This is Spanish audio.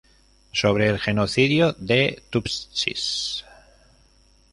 Sobre el genocidio de tutsis.